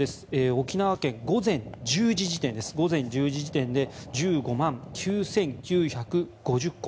沖縄、午前１０時時点で１５万９９５０戸。